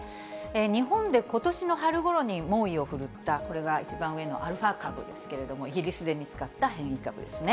日本でことしの春ごろに猛威を振るった、これが一番上のアルファ株ですけれども、イギリスで見つかった変異株ですね。